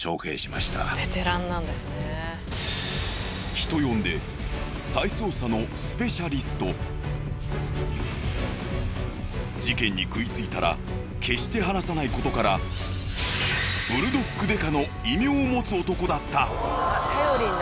人呼んで事件に食いついたら決して放さないことからブルドック刑事の異名を持つ男だった。